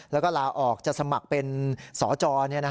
แล้วก็ลาออกจะสมัครเป็นสจ